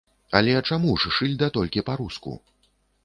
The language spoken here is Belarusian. Але чаму ж шыльда толькі па-руску?